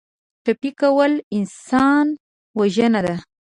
ټپي کول انسان وژنه ده.